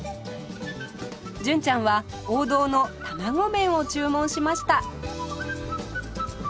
純ちゃんは王道のたまご麺を注文しました